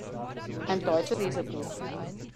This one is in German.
Ein deutsches Lesebuch“.